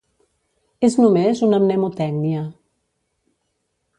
És només una mnemotècnia.